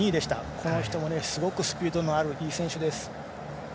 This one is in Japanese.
この人もスピードのあるいい選手です。